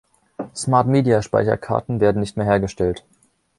SmartMedia-Speicherkarten werden nicht mehr hergestellt.